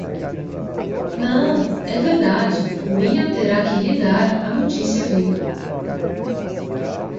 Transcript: Não, é verdade, William terá que lhe dar a notícia viva.